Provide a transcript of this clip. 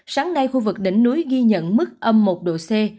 sáng nay khu vực đỉnh núi ghi nhận mức âm một độ c